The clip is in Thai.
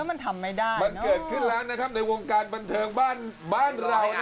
เออมันทำไม่ได้เนอะมันเกิดขึ้นแล้วนะครับในวงการบันเทิงบ้านเรานะฮะ